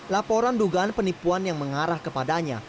laporan dugaan penipuan yang mengarah kepadanya